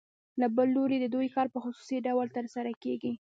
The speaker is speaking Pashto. له بل لوري د دوی کار په خصوصي ډول ترسره کېږي